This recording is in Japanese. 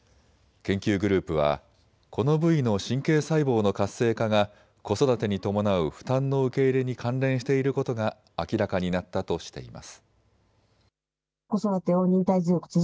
研究グループはこの部位の神経細胞の活性化が子育てに伴う負担の受け入れに関連していることが明らかになったとしています。